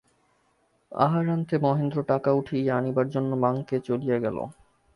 আহারান্তে মহেন্দ্র টাকা উঠাইয়া আনিবার জন্য ব্যাঙ্কে চলিয়া গেল।